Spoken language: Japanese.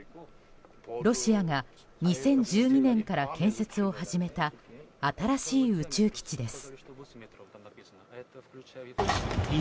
ロシアが２０１２年から建設を始めた新しい宇宙基地です。